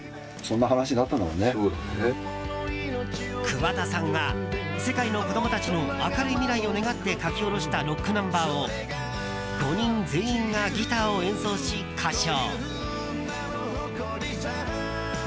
桑田さんが、世界の子供たちの明るい未来を願って書き下ろしたロックナンバーを５人全員がギターを演奏し歌唱。